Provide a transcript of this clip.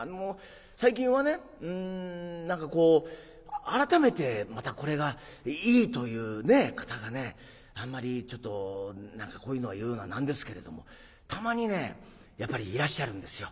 最近はねうん何かこう改めてまたこれがいいという方がねあんまりちょっと何かこういうのは言うのは何ですけれどもたまにねやっぱりいらっしゃるんですよ。